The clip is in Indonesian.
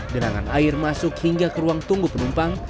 genangan air masuk hingga ke ruang tunggu penumpang